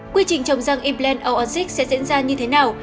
quy trình trồng răng implant o on sáu sẽ diễn ra như thế nào